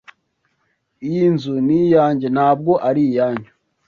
Iyi nzu ni iyanjye, ntabwo ari iyanyu.